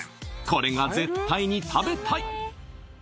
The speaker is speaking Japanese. これが絶対に食べたい！